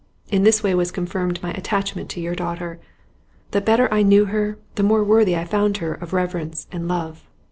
In this way was confirmed my attachment to your daughter. The better I knew her, the more worthy I found her of reverence and love.